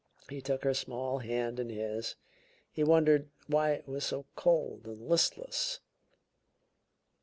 He took her small hand in his; he wondered why it was so cold and listless.